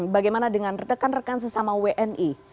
bagaimana dengan rekan rekan sesama wni